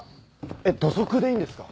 えっ土足でいいんですか？